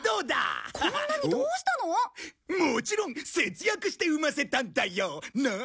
もちろん節約して産ませたんだよ。なあ？